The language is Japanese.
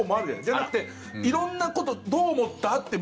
じゃなくて、色んなことどう思った？って